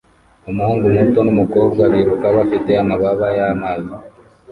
Umuhungu muto numukobwa biruka bafite amababa yamazi